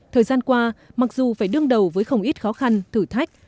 thời gian qua mặc dù phải đương đầu với không ít khó khăn thử thách